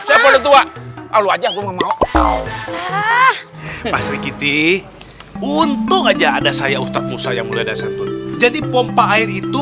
untuk aja gua mau pasri kitty untung aja ada saya ustadz musa yang mulai dasar jadi pompa air itu